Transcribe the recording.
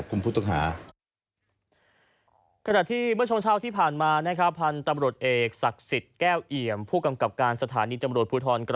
เล่งรัฐให้ฟับสดใจ